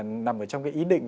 nằm trong cái ý định